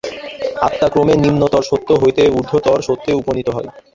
আত্মা ক্রমে নিম্নতর সত্য হইতে ঊর্ধ্বতর সত্যে উপনীত হয়।